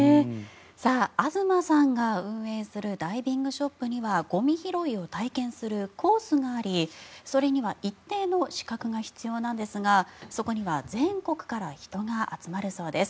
東さんが運営するダイビングショップにはゴミ拾いを体験するコースがありそれには一定の資格が必要なんですがそこには全国から人が集まるそうです。